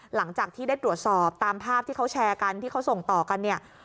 หลังจากที่ได้ตรวจสอบตามภาพที่เขาแชร์กันที่เขาส่งต่อกันเนี่ย